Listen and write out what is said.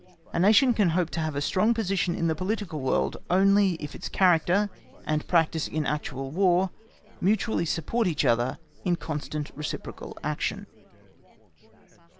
A Nation can hope to have a strong position in the political world only if its character and practice in actual War mutually support each other in constant reciprocal action.